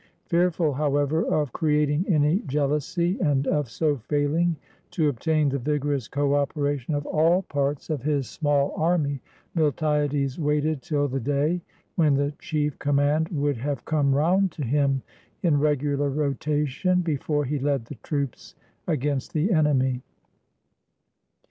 Fearful, however, of creating any jealousy, and of so failing to obtain the vigorous cooperation of all parts of his small army, Miltiades waited till the day when the chief command would have come round to him in regular rotation before he led the troops against the enemy.